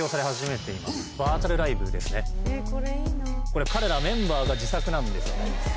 これ彼らメンバーが自作なんです。